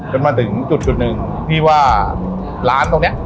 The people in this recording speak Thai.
จนมาถึงจุดหนึ่งพี่ว่าร้านตรงนี้